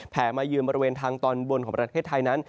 มายืนบริเวณทางตอนบนของประเทศไทยนั้น